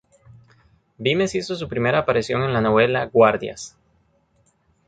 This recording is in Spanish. Vimes hizo su primera aparición en la novela "¡Guardias!